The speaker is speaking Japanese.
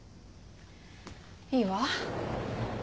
いいわ。